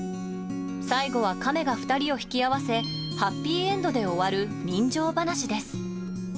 最後は亀が２人を引き合わせハッピーエンドで終わる人情ばなしです。